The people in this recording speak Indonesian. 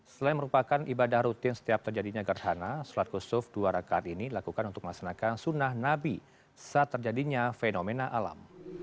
selain merupakan ibadah rutin setiap terjadinya gerhana sholat kusuf dua rakaat ini dilakukan untuk melaksanakan sunnah nabi saat terjadinya fenomena alam